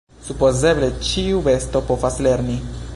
Supozeble ĉiu besto povas lerni.